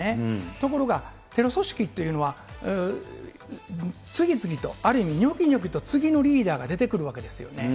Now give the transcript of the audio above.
ところが、テロ組織というのは、次々と、ある意味、にょきにょきと、次のリーダーが出てくるわけですよね。